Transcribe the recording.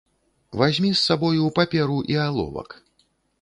Вазьмі з сабою паперу і аловак.